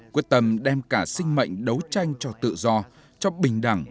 quyết tâm đem cả sinh mệnh đấu tranh cho tự do cho bình đẳng